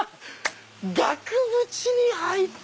額縁に入って。